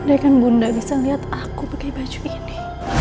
daikan bunda bisa lihat aku pakai baju ini